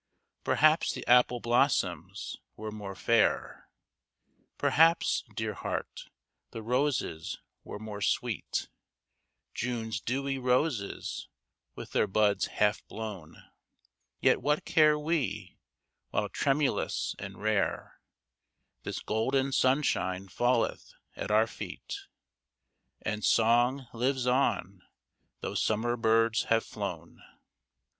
Perhaps the apple blossoms were more fair ; Perhaps, dear heart, the roses zvere more sweet, Jutie's deiuy roses, with their btids half blozun ; Yet what care we, zahile tremulous and rare This golden sunshine falleth at our feet And song lives on, though sujumer birds have Jlown